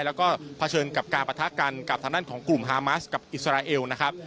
แล้วก็เผชิญกับการปะทะกันกับทางด้านของกลุ่มฮามาสกับอิสราเอลนะครับ